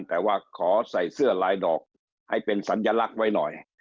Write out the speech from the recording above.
แต่ว่าขอใส่เสื้อลายดอกให้เป็นสัญลักษณ์ไว้หน่อย